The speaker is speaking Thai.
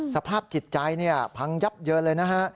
สภาพจิตใจเนี่ยพังยับเยอะเลยนะฮะ